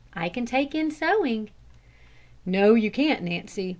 I can take in sewing." "No, you can't, Nancy.